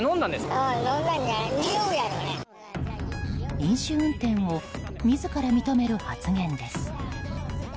飲酒運転を自ら認める発言です。